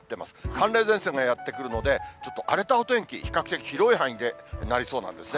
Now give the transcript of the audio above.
寒冷前線がやって来るので、ちょっと荒れたお天気、比較的広い範囲でなりそうなんですね。